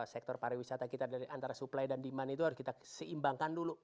sektor pariwisata kita antara supply dan demand itu harus kita seimbangkan dulu